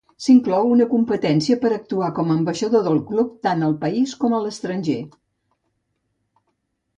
S'inclou una competència per actuar com ambaixador del club, tant al país com a l'estranger.